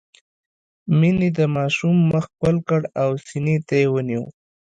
مينې د ماشوم مخ ښکل کړ او سينې ته يې ونيوه.